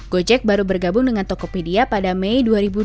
gojek baru bergabung dengan tokopedia pada mei dua ribu dua puluh